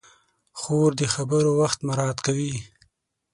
خور د خبرو وخت مراعت کوي.